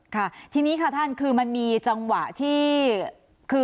ค่ะทีนี้ค่ะท่านคือมันมีจังหวะที่คือ